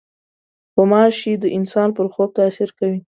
غوماشې د انسان پر خوب تاثیر کوي.